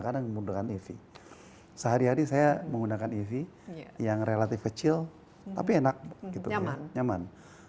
karena menggunakan ify sehari hari saya menggunakan ify yang relatif kecil tapi enak nyaman nyaman